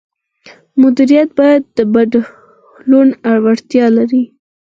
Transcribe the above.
مدیریت باید د بدلون وړتیا ولري.